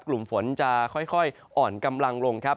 กลุ่มฝนจะค่อยอ่อนกำลังลงครับ